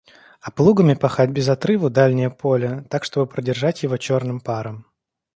А плугами пахать без отрыву дальнее поле, так чтобы продержать его черным паром.